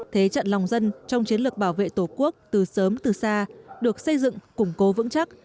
thế trận lòng dân trong chiến lược bảo vệ tổ quốc từ sớm từ xa được xây dựng củng cố vững chắc